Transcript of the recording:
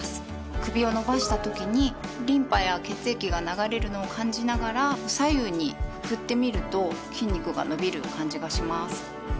首を伸ばしたときにリンパや血液が流れるのを感じながら左右に振ってみると筋肉が伸びる感じがします。